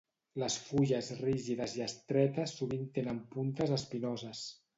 Les fulles rígides i estretes sovint tenen puntes espinoses.